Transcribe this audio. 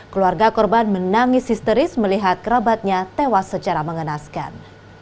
keluarga korban menangis histeris melihat kerabatnya tewas secara mengenaskan